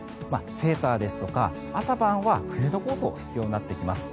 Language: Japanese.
セーターですとか朝晩は冬用のコートが必要になってきます。